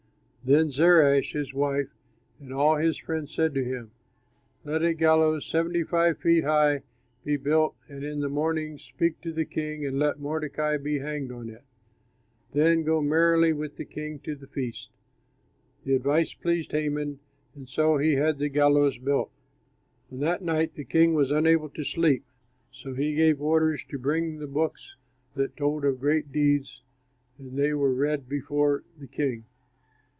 Then Zeresh, his wife, and all his friends said to him, "Let a gallows seventy five feet high be built and in the morning speak to the king and let Mordecai be hanged on it. Then go merrily with the king to the feast." The advice pleased Haman, and so he had the gallows built. On that night the king was unable to sleep; so he gave orders to bring the books that told of great deeds; and they were read before the king.